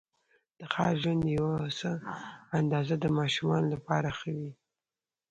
د ښار ژوند یوه څه اندازه د ماشومانو لپاره ښه وې.